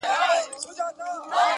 • نه په ژمي نه په دوبي کي وزګار وو -